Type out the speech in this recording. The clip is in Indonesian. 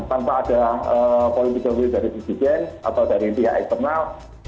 tanpa ada political will dari presiden atau dari pihak eksternal